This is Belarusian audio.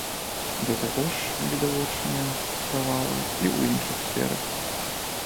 Да таго ж відавочныя правалы і ў іншых сферах.